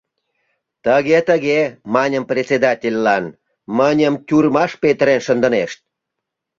Тыге-тыге, маньым председательлан, мыньым тюрьмаш петырен шындынешт.